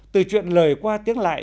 từ chuyện lời qua tiếng lại